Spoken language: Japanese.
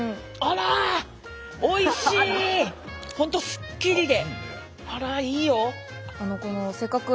本当すっきりで。